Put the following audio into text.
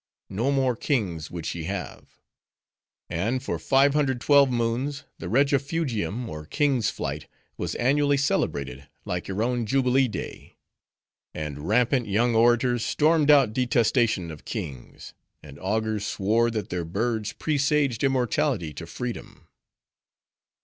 No more kings would she have. And for five hundred twelve moons the Regifugium or King's flight, was annually celebrated like your own jubilee day. And rampant young orators stormed out detestation of kings; and augurs swore that their birds presaged immortality to freedom.